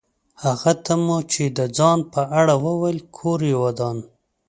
هغه ته مو چې د ځان په اړه وویل کور یې ودان.